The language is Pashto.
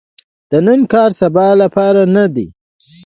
د نن کار د سبا لپاره نه دي .